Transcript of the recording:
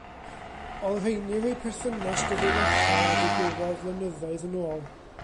Olrheinir eu perthynas gyfrinachol a ddigwyddodd flynyddoedd yn ôl.